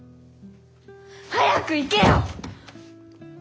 早く行けよ！